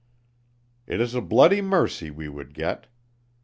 It is a bloody mercy we would get.